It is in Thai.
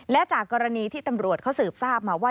และจากกรณีที่ตำรวจเขาสืบทราบมาว่า